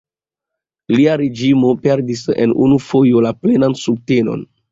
Lia reĝimo perdis en unu fojo la plenan subtenon.